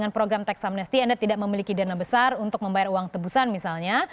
dengan program teks amnesty anda tidak memiliki dana besar untuk membayar uang tebusan misalnya